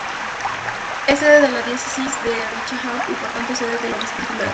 Es sede de la Diócesis de Riohacha y por tanto, sede del Obispo titular.